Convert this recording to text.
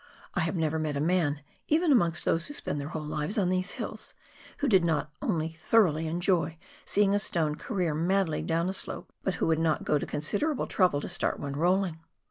I have never met a man, even amongst those who spend their whole lives on these hills, who did not only thoroughly enjoy seeing a atone career madly down a slope, but who would not go to considerable trouble to start one rolling.